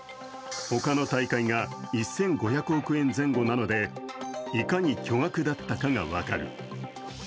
他の大会が１５００億円前後なのでいかに巨額だったかが分かる。